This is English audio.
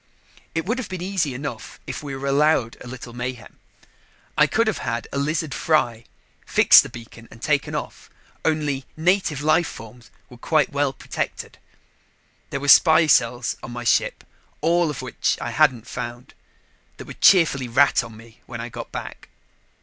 It would have been easy enough if we were allowed a little mayhem. I could have had a lizard fry, fixed the beacon and taken off. Only "native life forms" were quite well protected. There were spy cells on my ship, all of which I hadn't found, that would cheerfully rat on me when I got back.